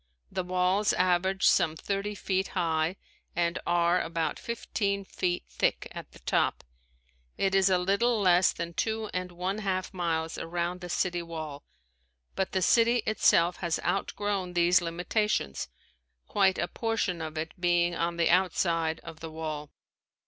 The walls average some thirty feet high and are about fifteen feet thick at the top. It is a little less than two and one half miles around the city wall, but the city itself has outgrown these limitations, quite a portion of it being on the outside of the wall.